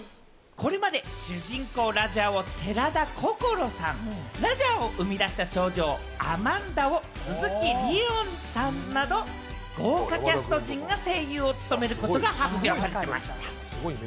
これまで主人公・ラジャーを寺田心さん、ラジャーを生み出した少女・アマンダを鈴木梨央さんなど豪華キャスト陣が声優を務めることが発表されていました。